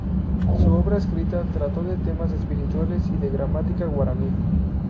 Su obra escrita trató de temas espirituales y de gramática guaraní.